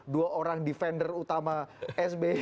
dua orang defender utama sby